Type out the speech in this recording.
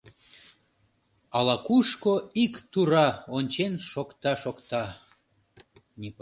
Ала-кушко ик тура ончен шокта-шокта...